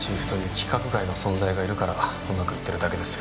規格外の存在がいるからうまくいってるだけですよ